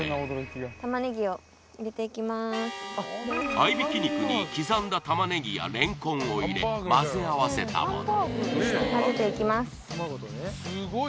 合い挽き肉に刻んだタマネギやレンコンを入れまぜあわせたもの